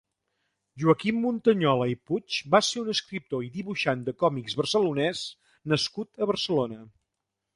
Joaquim Muntañola i Puig va ser un escriptor i dibuixant de còmics barcelonès nascut a Barcelona.